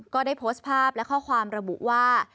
ก็ได้โพสต์ภาพและข้อความระบุว่า